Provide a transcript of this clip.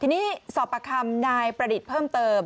ทีนี้สอบประคำนายประดิษฐ์เพิ่มเติม